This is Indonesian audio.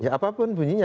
ya apapun bunyinya